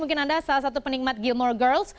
mungkin anda salah satu penikmat gilmore girls